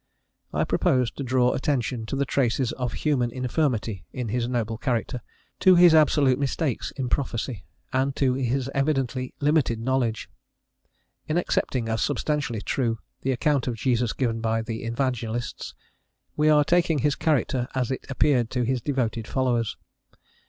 I propose to draw attention to the traces of human infirmity in his noble character, to his absolute mistakes in prophecy, and to his evidently limited knowledge. In accepting as substantially true the account of Jesus given by the evangelists, we are taking his character as it appeared to his devoted followers.